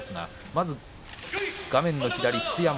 まず画面の左須山。